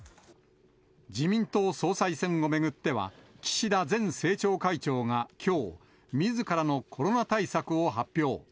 自民党総裁選を巡っては、岸田前政調会長がきょう、みずからのコロナ対策を発表。